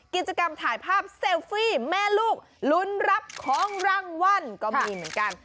กิจกรรมถ่ายภาพเซลฟี่แม่ลูกลุ้นรับของรางวัลก็มีเหมือนกัน